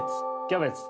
キャベツ！